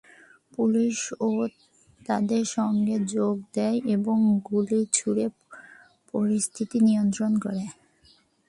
পুলিশও তাঁদের সঙ্গে যোগ দেয় এবং গুলি ছুড়ে পরিস্থিতি নিয়ন্ত্রণ করে।